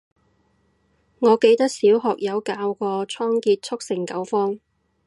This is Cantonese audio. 我記得小學有教過倉頡速成九方